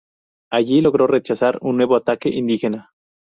Allí logró rechazar un nuevo ataque indígena.